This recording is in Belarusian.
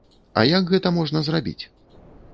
А як гэта можна зрабіць?